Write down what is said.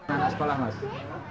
anak sekolah mas